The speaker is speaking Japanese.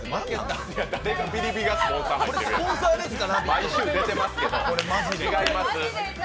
毎週出てますけど違います。